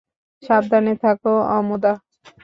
সাবধানে থেকো, অমুধা।